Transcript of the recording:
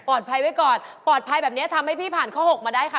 ภัยไว้ก่อนปลอดภัยแบบนี้ทำให้พี่ผ่านข้อหกมาได้ค่ะ